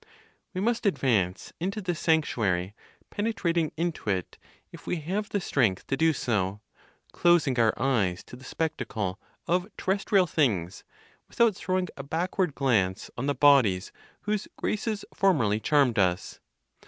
We must advance into this sanctuary, penetrating into it, if we have the strength to do so, closing our eyes to the spectacle of terrestrial things, without throwing a backward glance on the bodies whose graces formerly charmed us.